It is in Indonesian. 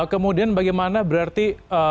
kemudian bagaimana berarti